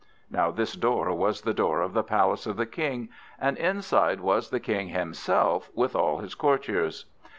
Now this door was the door of the palace of the King, and inside was the King himself, with all his courtiers.